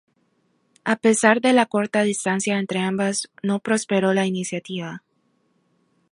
A pesar de la corta distancia entre ambas no prosperó la iniciativa.